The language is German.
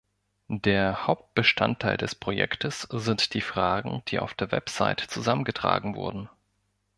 Der Hauptbestandteil des Projektes sind die Fragen, die auf der Website zusammengetragen wurden.